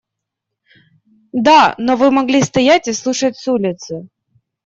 Да, но вы могли стоять и слушать с улицы.